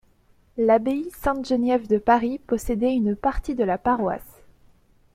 L'abbaye Sainte-Geneviève de Paris possédait une partie de la paroisse.